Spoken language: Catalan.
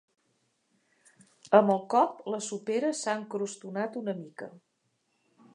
Amb el cop, la sopera s'ha escrostonat una mica.